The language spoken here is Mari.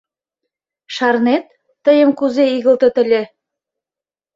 — Шарнет, тыйым кузе игылтыт ыле?